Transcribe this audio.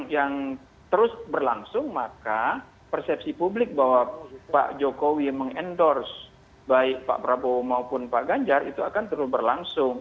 yang terus berlangsung maka persepsi publik bahwa pak jokowi mengendorse baik pak prabowo maupun pak ganjar itu akan terus berlangsung